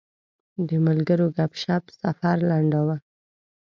د ملګرو ګپ شپ سفر لنډاوه.